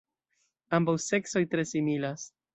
Ambaŭ seksoj tre similas.